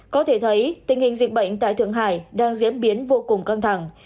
có thể thấy tình hình dịch bệnh tại thượng hải đang diễn biến vô cùng căng thẳng